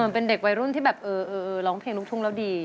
เป็นเด็กวัยรุ่นที่แบบร้องเพลงลูกทุ่งแล้วดี